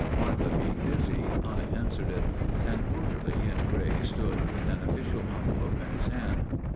Martha being busy, I answered it. An orderly in gray stood with an official envelop in his hand.